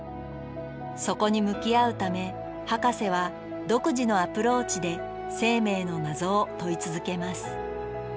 そこに向き合うためハカセは独自のアプローチで生命の謎を問い続けます。